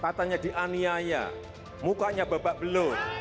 katanya dianiaya mukanya babak belut